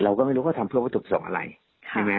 เราก็ไม่รู้เขาทำเพื่อวัตถุประสงค์อะไรใช่ไหม